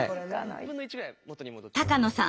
高野さん